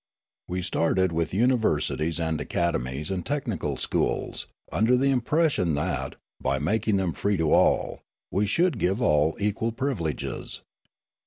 We started with universities and academies and technical schools, under the impression that, by making them free to all, we should give all equal privileges.